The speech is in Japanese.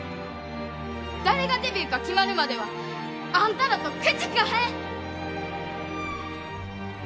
誰がデビューか決まるまではあんたらと口利かへん！